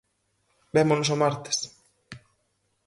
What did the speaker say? Vémonos o martes